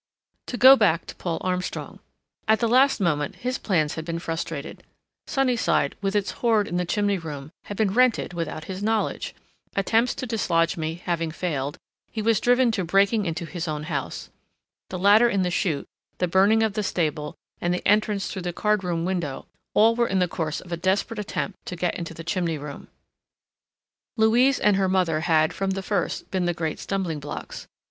To go back to Paul Armstrong. At the last moment his plans had been frustrated. Sunnyside, with its hoard in the chimney room, had been rented without his knowledge! Attempts to dislodge me having failed, he was driven to breaking into his own house. The ladder in the chute, the burning of the stable and the entrance through the card room window—all were in the course of a desperate attempt to get into the chimney room. Louise and her mother had, from the first, been the great stumbling blocks.